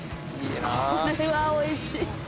これはおいしい。